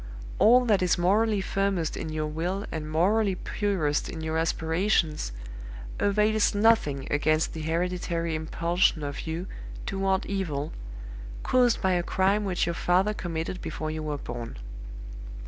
All that is morally firmest in your will and morally purest in your aspirations avails nothing against the hereditary impulsion of you toward evil, caused by a crime which your father committed before you were born.